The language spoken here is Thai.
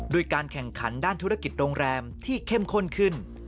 โดยการแข่งขันด้านธุรกิจโรงแรมที่เข้มข้นขึ้น